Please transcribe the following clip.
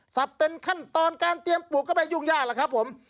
เป็นขั้นตอนการเตรียมปลูกก็ไม่ยุ่งยากแล้วครับผม